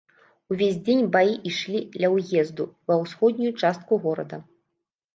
Увесь дзень баі ішлі ля ўезду ва ўсходнюю частку горада.